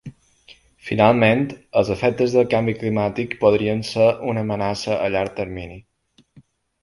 Finalment, els efectes del canvi climàtic podrien ser una amenaça a llarg termini.